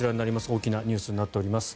大きなニュースになっております。